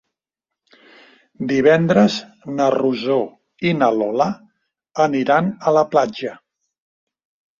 Divendres na Rosó i na Lola aniran a la platja.